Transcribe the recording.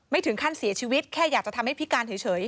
ถึงขั้นเสียชีวิตแค่อยากจะทำให้พิการเฉย